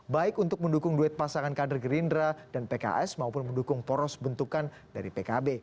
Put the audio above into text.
baik untuk mendukung duit pasangan kader gerindra dan pks maupun mendukung poros bentukan dari pkb